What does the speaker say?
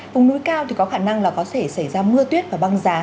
vùng núi cao thì có khả năng là có thể xảy ra mưa tuyết và băng giá